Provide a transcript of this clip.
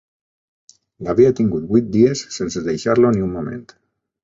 L'havia tingut vuit dies sense deixar-lo ni un moment